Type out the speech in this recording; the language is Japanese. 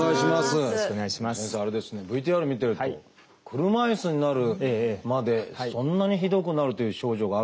先生あれですねＶＴＲ見てると車いすになるまでそんなにひどくなるという症状があるんですね。